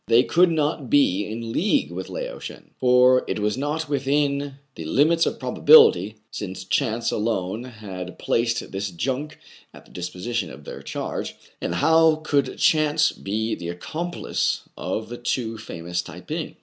They could not be in league with Lao Shen ; for it was not within the limits of probability, since chance alone had placed this junk at the disposition of their charge; and how could chance be the accomplice of the too famous Tai ping.